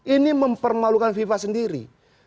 ini mempermalukan viva sendiri